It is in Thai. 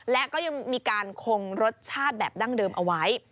และก็ยังมีการคงรสชาติแบบดั้งเดิมเอาไว้